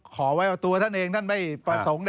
ขอไว้ว่าตัวท่านเองท่านไม่ประสงค์